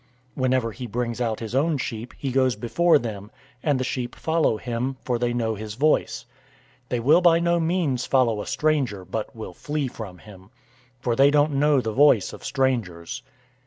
010:004 Whenever he brings out his own sheep, he goes before them, and the sheep follow him, for they know his voice. 010:005 They will by no means follow a stranger, but will flee from him; for they don't know the voice of strangers."